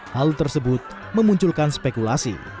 hal tersebut memunculkan spekulasi